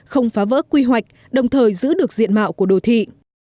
không phá vỡ quy hoạch đồng thời giữ được diện mạo của đô thị